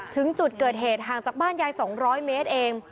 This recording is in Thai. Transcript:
ถึงจุดเกิดเหตุห่างจากบ้านยาย๒๐๐เมตรเอง